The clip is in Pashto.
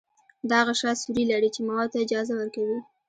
دا غشا سوري لري چې موادو ته اجازه ورکوي.